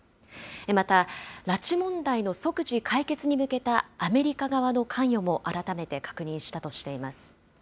また、拉致問題の即時解決に向けたアメリカ側の関与も改めて確認したとしています。